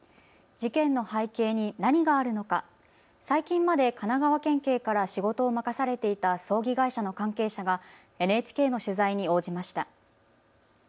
事件の背景に何があるのか、最近まで神奈川県警から仕事を任されていた葬儀会社の関係者がＮＨＫの取材に応じました。